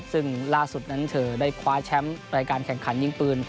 ซึ่งล่าสุดนั้นเธอได้คว้าแชมป์รายการแข่งขันยิงปืน